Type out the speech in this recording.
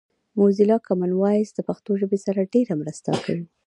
موزیلا کامن وایس له پښتو ژبې سره ډېره مرسته کوي